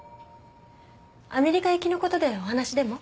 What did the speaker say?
アメリカ行きのことでお話でも？